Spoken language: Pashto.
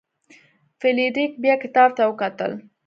فلیریک بیا کتاب ته وکتل.